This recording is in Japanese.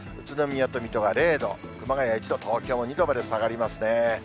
宇都宮と水戸が０度、熊谷１度、東京も２度まで下がりますね。